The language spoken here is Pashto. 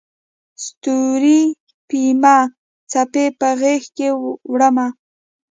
ستوري پېیمه څپې په غیږکې وړمه